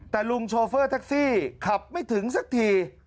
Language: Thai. แต่ลุงโชเฟอร์แท็กซี่ขับไม่ถึงสักที